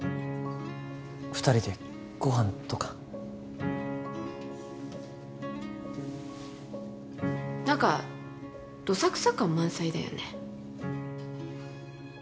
二人でご飯とか何かどさくさ感満載だよね